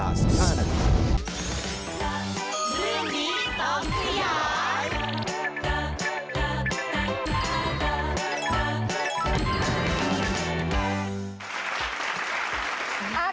เรื่องนี้ต้องขยาย